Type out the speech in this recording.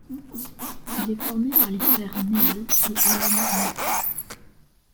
Il est formé par les frères Neal et Alan Morse.